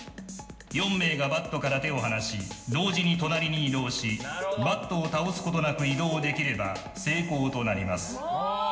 ４名がバットから手を離し同時に隣に移動しバットを倒すことなく移動できれば成功となります。